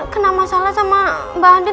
kena masalah sama mbak andi